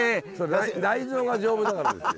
内臓が丈夫だからですよ。